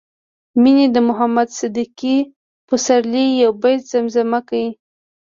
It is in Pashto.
مينې د محمد صديق پسرلي يو بيت زمزمه کړ